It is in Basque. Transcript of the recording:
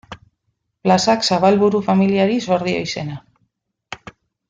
Plazak Zabalburu familiari zor dio izena.